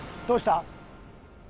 どうした？